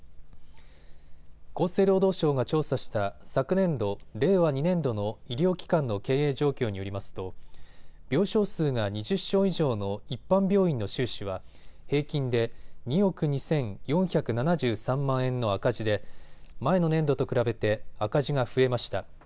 厚生労働省が調査した昨年度令和２年度の医療機関の経営状況によりますと病床数が２０床以上の一般病院の収支は平均で２億２４７３万円の赤字で前の年度と比べて赤字が増えました。